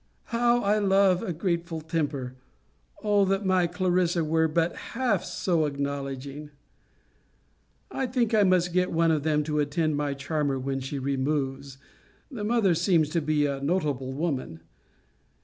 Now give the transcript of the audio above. How I love a grateful temper! O that my Clarissa were but half so acknowledging! I think I must get one of them to attend my charmer when she removes the mother seems to be a notable woman.